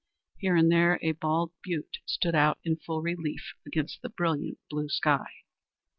Here and there a bald butte stood out in full relief against the brilliant blue sky.